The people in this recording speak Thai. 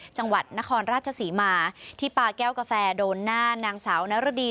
จังหวัดนครราชศรีมาที่ปาแก้วกาแฟโดนหน้านางสาวนรดี